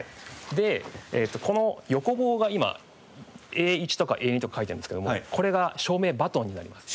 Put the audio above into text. でこの横棒が今Ａ１とかＡ２とか書いてあるんですけどもこれが照明バトンになります。